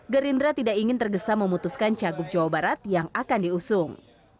gerindra tidak ingin tergesa memutuskan cagup jawa barat yang akan diusung